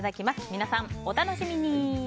皆さん、お楽しみに！